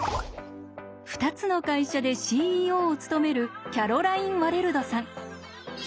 ２つの会社でＣＥＯを務めるキャロライン・ワレルドさん。